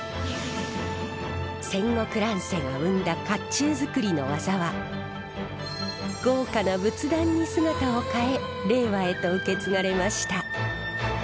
戦国乱世が生んだ甲冑造りの技は豪華な仏壇に姿を変え令和へと受け継がれました。